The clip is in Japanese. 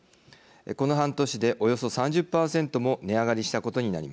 この半年でおよそ３０％も値上がりしたことになります。